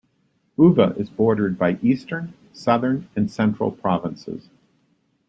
Uva is bordered by Eastern, Southern and Central provinces.